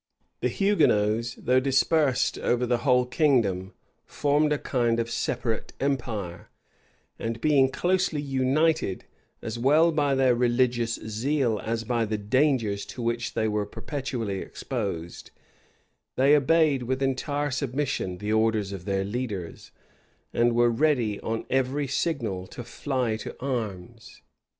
The Hugonots, though dispersed over the whole kingdom, formed a kind of separate empire; and being closely united, as well by their religious zeal as by the dangers to which they were perpetually exposed, they obeyed with entire submission the orders of their leaders, and were ready on every signal to fly to arms.